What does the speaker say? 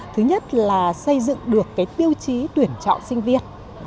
thứ nhất là xây dựng được tiêu chí tuyển chọn sinh viên